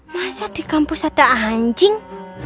masa di kampus ada anjing